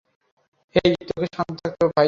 হেই, তোকে শান্ত থাকতে হবে, ভাই।